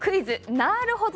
なーるほど！